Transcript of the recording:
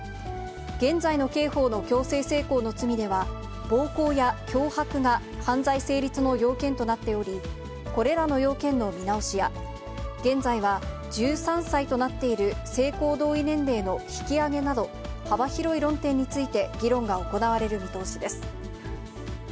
現在の警報の強制性交の罪では、暴行や脅迫が犯罪成立の要件となっており、これらの要件の見直しや、現在は１３歳となっている性交同意年齢の引き上げなど、幅広い論点について議論が行われる見通しです。